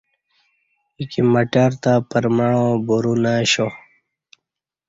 ایکی مٹر تہ پرمعاں برو نہ اشیا